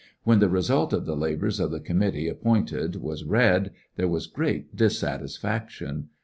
When the result of the labors of the committee appointed was read there was great dissatisfeiction.